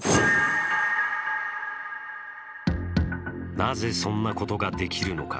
なぜそんなことができるのか。